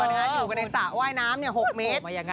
อยู่ในสระว่ายน้ำ๖เมตร